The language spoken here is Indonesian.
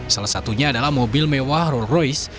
salah satunya adalah mobil mewah rolls royce